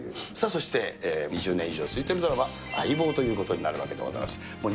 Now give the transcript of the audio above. そして２０年以上続いているドラマ、相棒ということになるわけでございます。